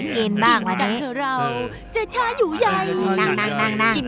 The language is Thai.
มีอะไรกินบ้างว่ะนี่